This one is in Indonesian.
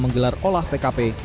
menggelar olah tkp